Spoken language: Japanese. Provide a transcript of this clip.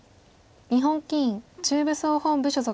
日本棋院中部総本部所属。